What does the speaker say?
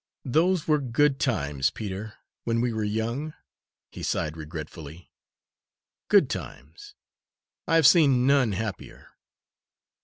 "Those were good times, Peter, when we were young," he sighed regretfully, "good times! I have seen none happier."